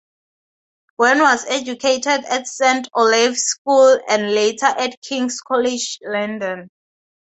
Gwenn was educated at Saint Olave's School and later at King's College London.